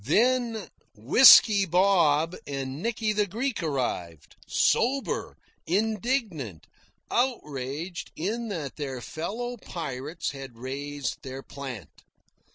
Then Whisky Bob and Nicky the Greek arrived, sober, indignant, outraged in that their fellow pirates had raised their plant.